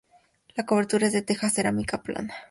La cobertura es de teja cerámica plana.